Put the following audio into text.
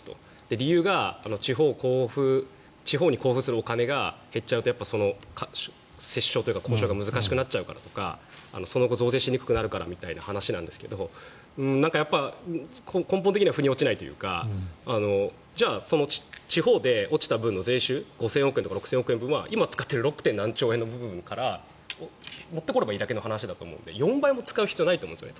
理由が地方に交付するお金が減っちゃうとその折衝というか交渉が難しくなっちゃうからとかその後、増税しにくくなるからみたいな話なんですが根本的には腑に落ちないというか地方で落ちた分の税収５０００億円とか６０００億円とかは今の６兆円から持ってくればいいだけの話だと思うので４倍も使う必要はないと思うんですね。